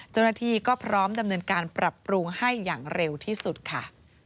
เจ้าหน้าที่ก็พร้อมดำเนินการปรับปรุงให้อย่างเร็วที่สุดค่ะ